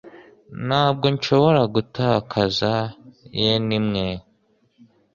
Ntabwo nshobora gutakaza yen imwe.